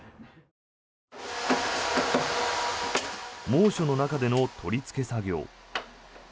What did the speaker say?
猛暑の中での取りつけ作業。